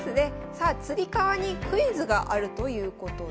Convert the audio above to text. さあつり革にクイズがあるということです。